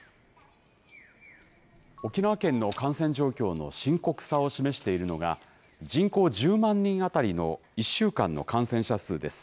沖縄県の感染状況の深刻さを示しているのが、人口１０万人当たりの１週間の感染者数です。